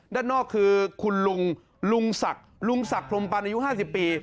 ด้านนอกคือคุณลุงลุงศักดิ์ลุงศักดิ์พรมปันอายุ๕๐ปี